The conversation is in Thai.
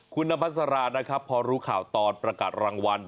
คุณนพัสรานะครับพอรู้ข่าวตอนประกาศรางวัล